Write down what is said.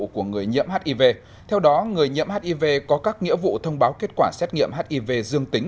của người nhiễm hiv theo đó người nhiễm hiv có các nghĩa vụ thông báo kết quả xét nghiệm hiv dương tính